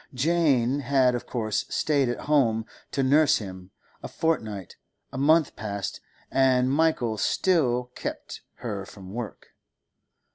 Jane had of course stayed at home to nurse him; a fortnight, a month passed, and Michael still kept her from work.